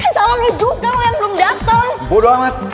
kan salah lo juga yang belum dateng